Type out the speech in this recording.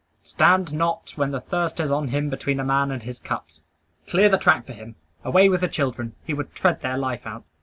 Stand not, when the thirst is on him, between a man and his cups! Clear the track for him! Away with the children: he would tread their life out!